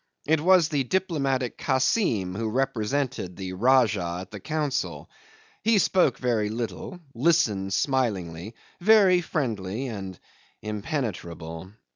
It was the diplomatic Kassim who represented the Rajah at the council. He spoke very little, listened smilingly, very friendly and impenetrable.